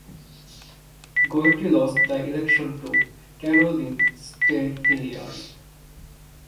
Goyette lost the election to Caroline St-Hilaire.